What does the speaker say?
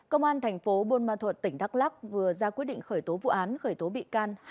công an thành phố buôn ma thuật tỉnh đắk lắc vừa ra quyết định khởi tố vụ án khởi tố bị can